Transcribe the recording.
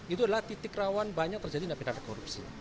itu adalah titik rawan banyak terjadi dalam peradaban korupsi